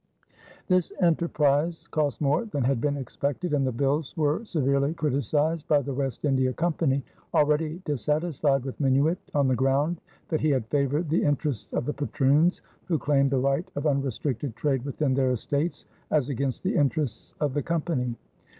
This enterprise cost more than had been expected and the bills were severely criticized by the West India Company, already dissatisfied with Minuit on the ground that he had favored the interests of the patroons, who claimed the right of unrestricted trade within their estates, as against the interests of the Company.